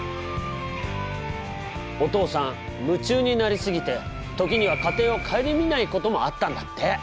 お父さん夢中になりすぎて時には家庭を顧みないこともあったんだって。